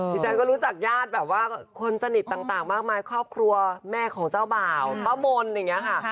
ฉันก็รู้จักญาติแบบว่าคนสนิทต่างมากมายครอบครัวแม่ของเจ้าบ่าวป้ามนต์อย่างนี้ค่ะ